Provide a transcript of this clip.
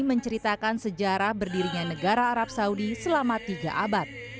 menceritakan sejarah berdirinya negara arab saudi selama tiga abad